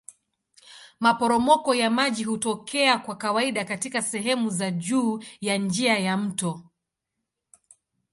Maporomoko ya maji hutokea kwa kawaida katika sehemu za juu ya njia ya mto.